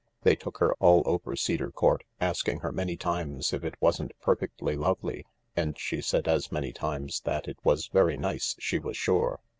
They took her all over Cedar Court, asking her many times if it wasn't perfectly lovely, and she said as many times that it was very nice, she was sure.